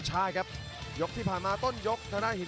แชลเบียนชาวเล็ก